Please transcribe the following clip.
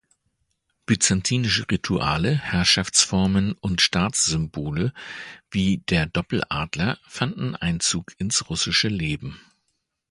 Byzantinische Rituale, Herrschaftsformen und Staatssymbole wie der Doppeladler fanden Einzug ins russische Leben.